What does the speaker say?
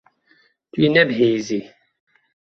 Tu yê nebihîzî.